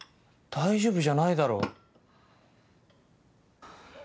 大丈夫じゃないだろ。